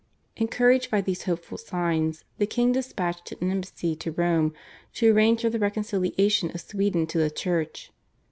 Encouraged by these hopeful signs, the king despatched an embassy to Rome to arrange for the reconciliation of Sweden to the Church.